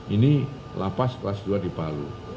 ini lapas kelas dua di palu